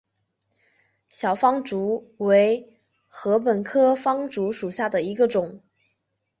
小方竹为禾本科方竹属下的一个种。